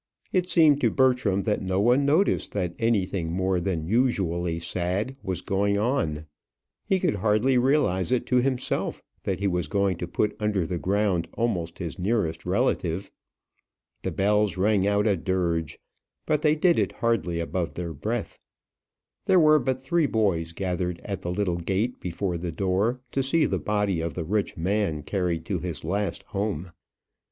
It seemed to Bertram that no one noticed that anything more than usually sad was going on. He could hardly realise it to himself that he was going to put under the ground almost his nearest relative. The bells rang out a dirge, but they did it hardly above their breath. There were but three boys gathered at the little gate before the door to see the body of the rich man carried to his last home.